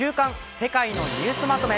世界のニュースまとめ」。